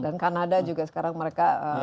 dan kanada juga sekarang mereka